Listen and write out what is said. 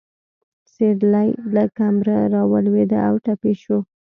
سېرلی له کمره راولوېده او ټپي شو.